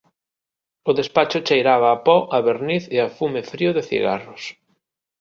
O despacho cheiraba a po, a verniz e a fume frío de cigarros.